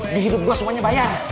di hidup gue semuanya bayar